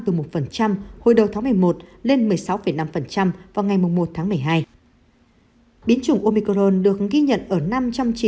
từ một hồi đầu tháng một mươi một lên một mươi sáu năm vào ngày một một mươi hai biến chủng omicron được ghi nhận ở năm trong chín